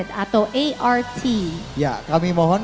dan menurut saya ini adalah